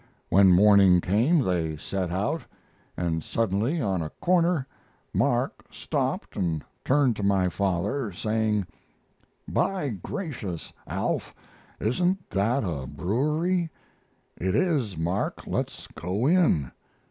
When morning came they set out, and suddenly on a corner Mark stopped and turned to my father, saying: "By gracious, Alf! Isn't that a brewery?" "It is, Mark. Let's go in."